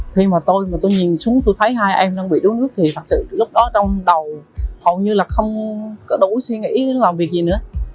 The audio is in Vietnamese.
khi mà tôi mà tôi nhìn xuống tôi thấy hai em đang bị đuối nước thì thật sự lúc đó trong đầu hầu như là không có đủ suy nghĩ làm việc gì nữa